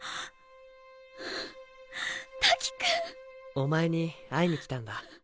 お前に会いに来たんだ。